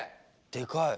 でかい。